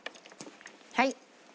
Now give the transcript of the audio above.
はい。